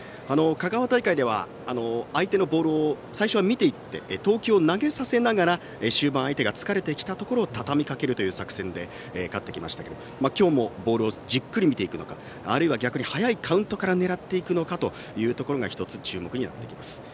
香川大会では相手のボールを最初は見ていって投球を投げさせながら終盤、相手が疲れてきたところをたたみかけるという作戦で勝ってきましたけれども今日もボールをじっくり見ていくのかあるいは逆に早いカウントから狙っていくのかというのが１つ、注目になってきます。